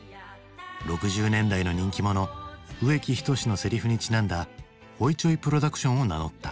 ６０年代の人気者植木等のセリフにちなんだ「ホイチョイ・プロダクション」を名乗った。